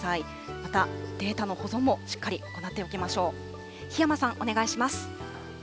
また、データの保存もしっかり行っておきましょう。